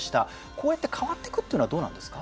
こうやって変わっていくっていうのはどうなんですか？